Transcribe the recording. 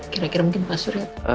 kira kira mungkin pak surya